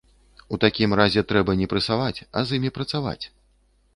У такім разе трэба не прэсаваць, а з імі працаваць!